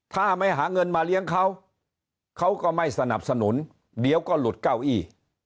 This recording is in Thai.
ถ้าไม่หาเงินมาเลี้ยงเขาเขาก็ไม่สนับสนุนเดี๋ยวก็หลุดเก้าอี้